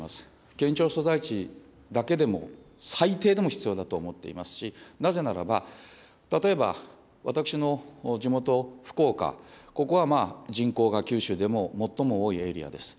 県庁所在地だけでも、最低でも必要だと思っていますし、なぜならば、例えば私の地元、福岡、ここは人口が九州でも最も多いエリアです。